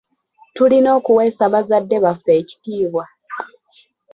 Tulina okuweesa bazadde baffe ekitiibwa.